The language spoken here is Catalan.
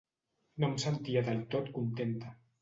No em sentia del tot contenta.